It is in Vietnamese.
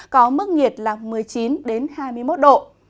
có mức nhiệt là một mươi chín hai mươi một độ